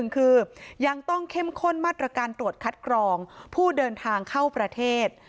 คือยังต้องเข้มข้นมาตรการตรวจคัดกรองผู้เดินทางเข้าประเทศ